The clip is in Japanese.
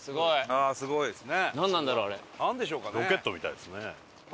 ああすごいですね。